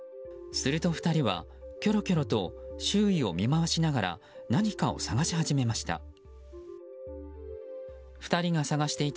すると２人は、きょろきょろと周囲を見回しながら何かを探し始めました。